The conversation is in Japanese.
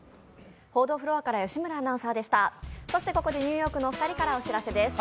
ここでニューヨークの二人からお知らせです。